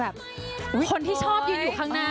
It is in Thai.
กับเพลงที่มีชื่อว่ากี่รอบก็ได้